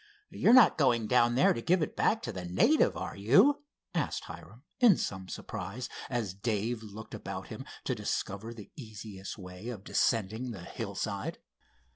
"You're not going down there to give it back to the native; are you?" asked Hiram; in some surprise, as Dave looked about him to discover the easiest way of descending the hillside.